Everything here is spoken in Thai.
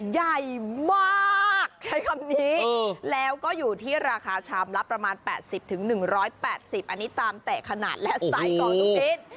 ใหญ่มากใช้คำนี้แล้วก็อยู่ที่ราคาชามละประมาณ๘๐๑๘๐อันนี้ตามแต่ขนาดและไซส์ก่อนลูกชิ้น